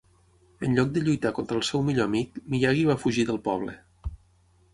En lloc de lluitar contra el seu millor amic, Miyagi va fugir del poble.